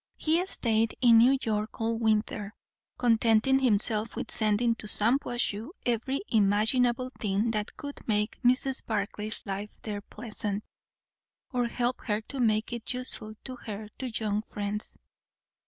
He stayed in New York all winter, contenting himself with sending to Shampuashuh every imaginable thing that could make Mrs. Barclay's life there pleasant, or help her to make it useful to her two young friends.